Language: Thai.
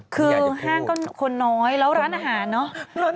คือห้างก็คนน้อยแล้วร้านอาหารเนอะ